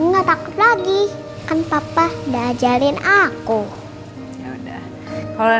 mama mau denger mana suaranya